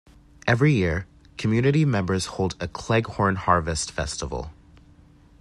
Every year, community members hold a Cleghorn Harvest Festival.